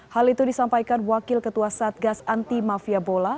hal itu disampaikan wakil ketua satgas anti mafia bola